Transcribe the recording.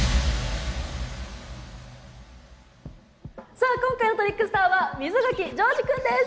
さあ今回のトリックスターは溝垣丈司くんです。